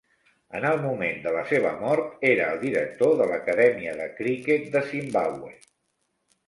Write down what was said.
En el moment de la seva mort, era el director de l'Acadèmia de Criquet de Zimbabwe.